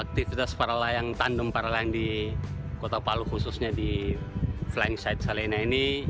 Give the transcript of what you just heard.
aktivitas para layang tandem para layang di kota palu khususnya di flying side salena ini